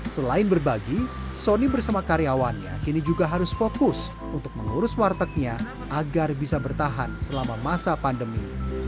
selain berbagi soni bersama karyawannya kini juga harus fokus untuk mengurus wartegnya agar bisa bertahan selama masa pandemi